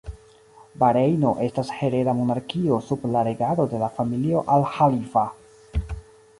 Barejno estas hereda monarkio sub la regado de la familio Al Ĥalifa.